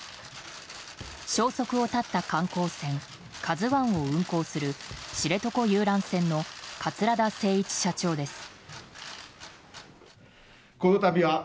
消息を絶った観光船「ＫＡＺＵ１」を運航する知床遊覧船の桂田精一社長です。